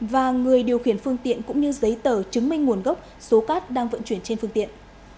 và người điều khiển phương tiện cũng như giấy tờ chứng minh nguồn gốc số cát đang vận chuyển trên phương tiện